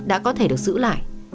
đã có thể được giữ lại